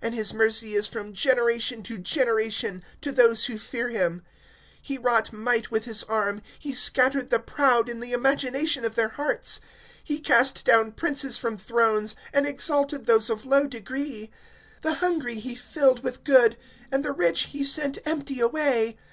(50)And his mercy is from generation to generation, to those who fear him. (51)He wrought might with his arm; he scattered the proud in the imagination of their hearts. (52)He cast down princes from thrones, and exalted those of low degree. (53)The hungry he filled with good, and the rich he sent empty away.